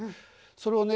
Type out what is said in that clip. それをね